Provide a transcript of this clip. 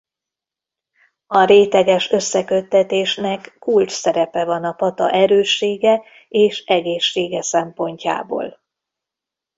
A réteges összeköttetésnek kulcs szerepe van a pata erőssége és egészsége szempontjából.